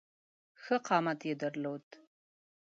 ښه قامت یې درلود.